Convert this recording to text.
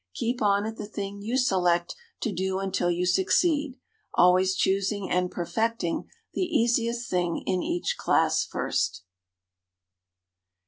Keep on at the thing you select to do until you succeed, always choosing and perfecting the easiest thing in each class first.